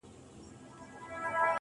د ژوند پر هره لار چي ځم يوه بلا وينم